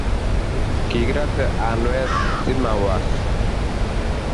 kikirate anwet si ma was